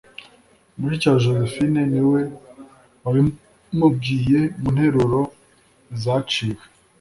mushiki we josephine niwe wabimubwiye, mu nteruro zaciwe